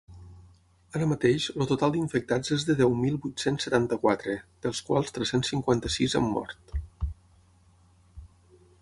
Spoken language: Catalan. Ara mateix, el total d’infectats és de deu mil vuit-cents setanta-quatre, dels quals tres-cents cinquanta-sis han mort.